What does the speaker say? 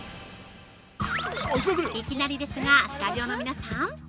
いきなりですが、スタジオの皆さん！